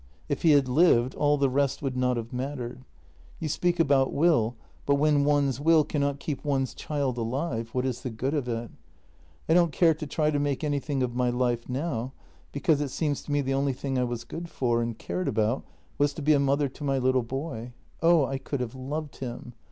If he had lived, all the rest would not have mattered. You speak about will, but when one's will cannot keep one's child alive, what is the good of it ? I don't care to try to make anything of my life now, because it seemed to me the only thing I was good for and cared about was to be a mother to my little boy. Oh, I could have loved him!